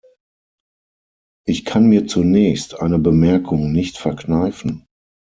Ich kann mir zunächst eine Bemerkung nicht verkneifen.